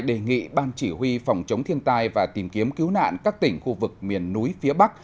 đề nghị ban chỉ huy phòng chống thiên tai và tìm kiếm cứu nạn các tỉnh khu vực miền núi phía bắc